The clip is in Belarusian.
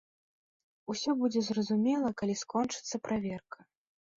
Усё будзе зразумела, калі скончыцца праверка.